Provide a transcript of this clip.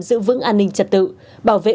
giữ vững an ninh trật tự bảo vệ